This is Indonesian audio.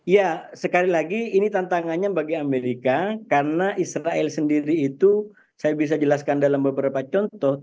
ya sekali lagi ini tantangannya bagi amerika karena israel sendiri itu saya bisa jelaskan dalam beberapa contoh